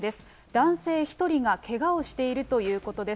男性１人がけがをしているということです。